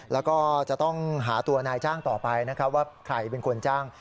แล้วก็จะต้องหาตัวนายจ้างต่อไปนะครับว่าใครเป็นคนจ้าง